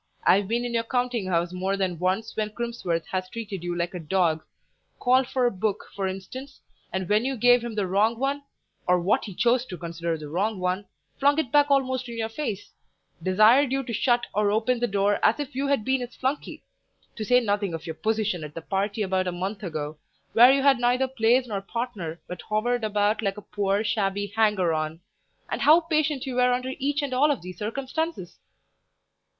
I've been in your counting house more than once when Crimsworth has treated you like a dog; called for a book, for instance, and when you gave him the wrong one, or what he chose to consider the wrong one, flung it back almost in your face; desired you to shut or open the door as if you had been his flunkey; to say nothing of your position at the party about a month ago, where you had neither place nor partner, but hovered about like a poor, shabby hanger on; and how patient you were under each and all of these circumstances!"